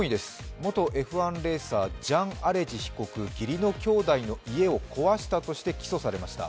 元Ｆ１レーサー、ジャン・アレジ被告、義理の兄弟の家を壊したとして起訴されました。